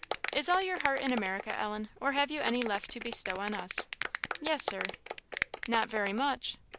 "Is all your heart in America, Ellen, or have you any left to bestow on us?" "Yes, Sir." "Not very much!"